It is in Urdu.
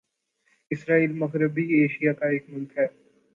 اسرائیل مغربی ایشیا کا ایک ملک ہے